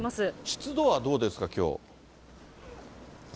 湿度はどうですか、きょう。